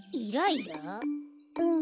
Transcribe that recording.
うん。